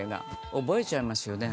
覚えちゃいますよね。